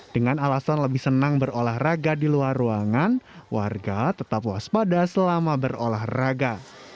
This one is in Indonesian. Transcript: dengan alasan lebih senang berolahraga di luar ruangan warga tetap waspada selama berolahraga